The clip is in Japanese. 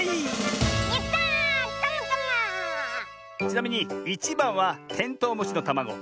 ちなみに１ばんはテントウムシのたまご。